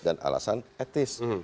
dan alasan etis